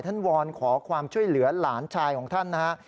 วอนขอความช่วยเหลือหลานชายของท่านนะฮะ